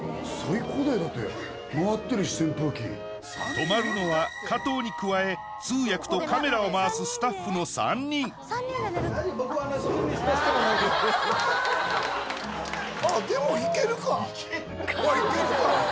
泊まるのは加藤に加え通訳とカメラを回すスタッフの３人あっでもいけるかいけるか。